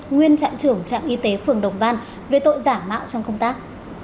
nguyên trạng trưởng trạng y tế phường đồng văn về tội giả mạo trong công tác